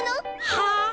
はあ？